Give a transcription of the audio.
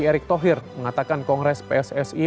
erick thohir mengatakan kongres pssi